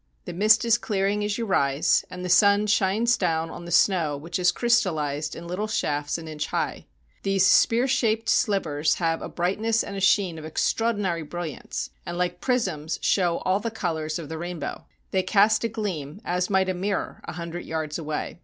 The mist is clearing as you rise, and the sun shines down on the snow which has crystalized in little shafts an inch high. These spear shaped slivers have a brightness and a sheen of extraordinary brilliance, and like prisms show all the colors of the rainbow. They cast a gleam, as might a mirror, a hundred yards away.